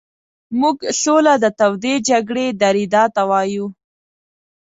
موږ سوله د تودې جګړې درېدا ته وایو.